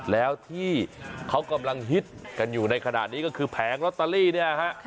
แล้วที่เขากำลังฮิตกันอยู่ในขณะนี้ก็คือแผงลอตเตอรี่เนี่ยฮะ